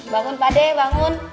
bangun pak d bangun